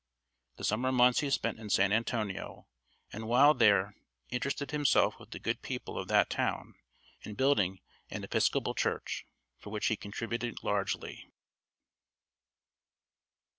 The summer months he spent in San Antonio, and while there interested himself with the good people of that town in building an Episcopal church, to which he contributed largely.